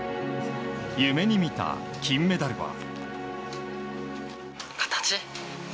夢に見た、金メダルは。